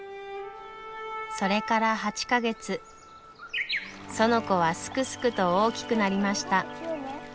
それから８か月園子はすくすくと大きくなりました。